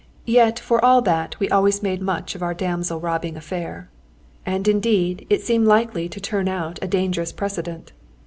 Yet for all that we always made much of our damsel robbing adventure. And, indeed, it seemed likely to turn out a dangerous precedent.